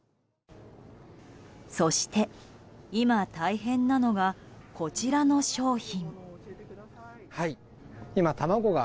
そして今、大変なのがこちらの商品。